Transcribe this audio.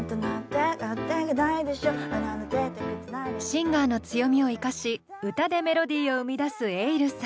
シンガーの強みを生かし歌でメロディーを生み出すｅｉｌｌさん。